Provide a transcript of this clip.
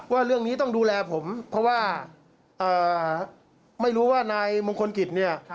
ว่าเรื่องนี้ต้องดูแลผมเพราะว่าไม่รู้ว่านายมงคลกิจเนี่ย